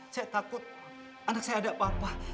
saya takut anak saya ada apa apa